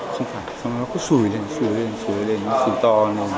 xong rồi nó có sùi lên sùi lên sùi lên sùi to